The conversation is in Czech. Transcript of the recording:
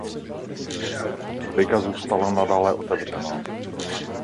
Liga zůstala nadále otevřená.